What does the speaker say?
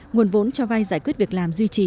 nguồn vốn cho vay giải quyết việc làm duy trì